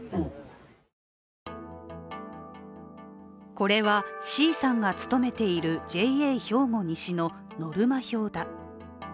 これは、Ｃさんが勤めているＪＡ兵庫西のノルマ表だ。